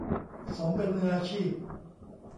สมเป็นมืออาชีพ